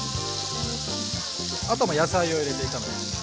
あとは野菜を入れて炒めましょう。